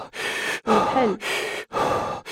Wḥel.